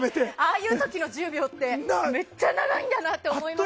ああいう時の１０秒ってめっちゃ長いんだなって思いますよね。